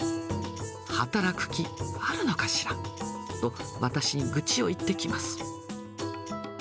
働く気あるのかしらと、私に愚痴を言ってきます。